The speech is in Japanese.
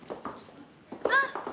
あっ！